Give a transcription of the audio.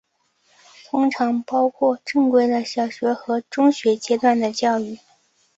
通常包括正规的小学和中学阶段的教育。